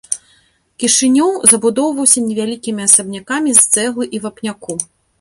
Кішынёў забудоўваўся невялікімі асабнякамі з цэглы і вапняку.